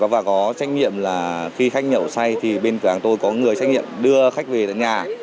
và có trách nhiệm là khi khách nhậu say thì bên cửa hàng tôi có người trách nhiệm đưa khách về đến nhà